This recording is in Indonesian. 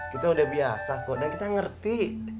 kita udah biasa kok dan kita ngerti